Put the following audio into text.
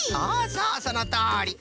そうそうそのとおり。